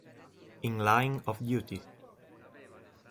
In Line of Duty